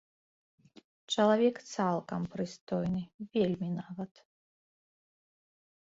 Чалавек цалкам прыстойны, вельмі нават.